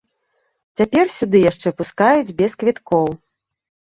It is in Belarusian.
Цяпер сюды яшчэ пускаюць без квіткоў.